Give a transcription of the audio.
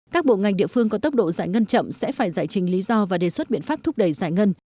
các bộ ngành địa phương có tốc độ giải ngân chậm sẽ phải giải trình lý do và đề xuất biện pháp thúc đẩy giải ngân